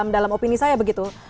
dalam opini saya begitu